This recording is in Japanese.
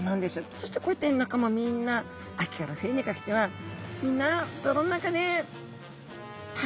そしてこうやって仲間みんな秋から冬にかけては「みんな泥の中で耐えるよ」。